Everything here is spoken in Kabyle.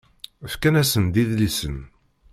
Fkan-asen-d idlisen.